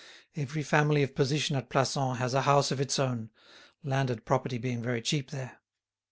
Every family of position at Plassans has a house of its own, landed property being very cheap there.